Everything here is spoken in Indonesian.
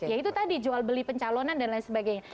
ya itu tadi jual beli pencalonan dan lain sebagainya